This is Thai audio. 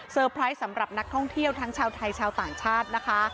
ไพรส์สำหรับนักท่องเที่ยวทั้งชาวไทยชาวต่างชาตินะคะ